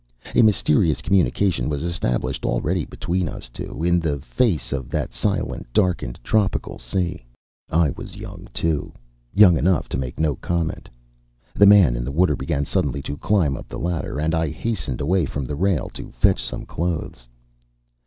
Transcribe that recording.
A mysterious communication was established already between us two in the face of that silent, darkened tropical sea. I was young, too; young enough to make no comment. The man in the water began suddenly to climb up the ladder, and I hastened away from the rail to fetch some clothes.